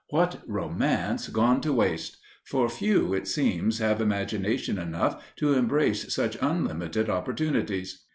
What Romance gone to waste! For few, it seems, have imagination enough to embrace such unlimited opportunities!